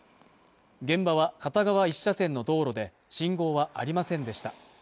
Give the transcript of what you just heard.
現場は片側１車線の道路で信号はありませんでした